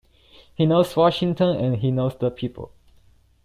He knows Washington and he knows the people.